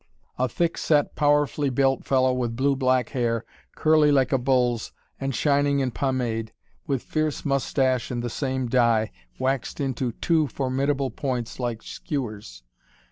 A thick set, powerfully built fellow, with blue black hair, curly like a bull's and shining in pomade, with fierce mustache of the same dye, waxed to two formidable points like skewers.